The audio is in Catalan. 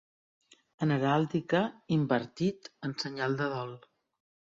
En heràldica, invertit en senyal de dol.